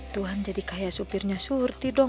tuhan jadi kaya supirnya surti dong